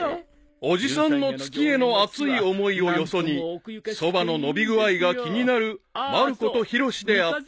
［おじさんの月への熱い思いをよそにそばの伸び具合が気になるまる子とヒロシであった］